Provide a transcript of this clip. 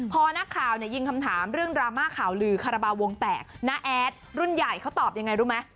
พอนักข่าวยิงคำถามเรื่องดราม่าข่าวลือคาราบาลวงแตกน้าแอดรุ่นใหญ่เขาตอบยังไงรู้ไหม